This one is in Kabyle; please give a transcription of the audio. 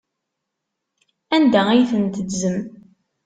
Anda ay ten-teddzem?